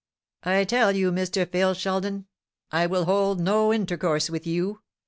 I tell you, Mr. Phil Sheldon, I will hold no intercourse with you.